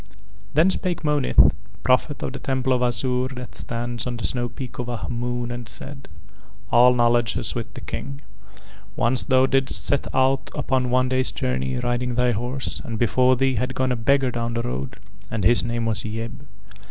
III Then spake Monith, Prophet of the Temple of Azure that stands on the snow peak of Ahmoon and said: "All knowledge is with the King. Once thou didst set out upon a one day's journey riding thy horse and before thee had gone a beggar down the road, and his name was Yeb.